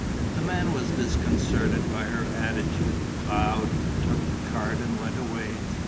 The man was disconcerted by her attitude, bowed, took the card and went away.